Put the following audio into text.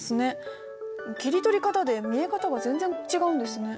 切り取り方で見え方が全然違うんですね。